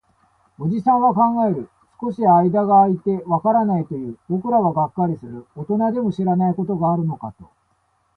おじさんは考える。少し間が空いて、わからないと言う。僕らはがっかりする。大人でも知らないことがあるのかと。